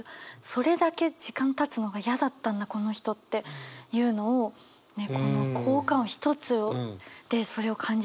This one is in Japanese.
それだけ時間たつのが嫌だったんだこの人っていうのをこの効果音一つでそれを感じさせるんだと思いました。